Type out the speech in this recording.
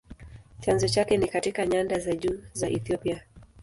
Chanzo chake ni katika nyanda za juu za Ethiopia.